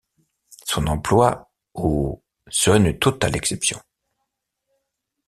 Son emploi au serait une totale exception.